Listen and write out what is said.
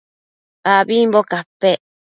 abimbo capec